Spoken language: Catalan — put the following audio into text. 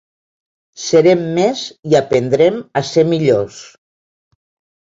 Serem més i aprendrem a ser millors.